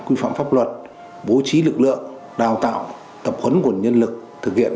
quy phạm pháp luật bố trí lực lượng đào tạo tập huấn nguồn nhân lực thực hiện